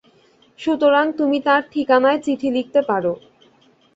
সুতরাং তুমি তাঁর ঠিকানায় চিঠি লিখতে পার।